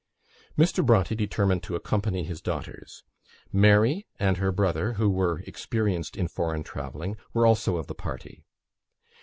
Mr. Bronte determined to accompany his daughters. Mary and her brother, who were experienced in foreign travelling, were also of the party.